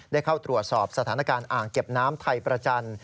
ได้เข้าตรวจสอบสถานการณ์อ่างเก็บน้ำไทยประจันทร์